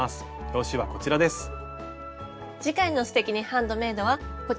表紙はこちらです。